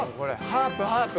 ハープハープ！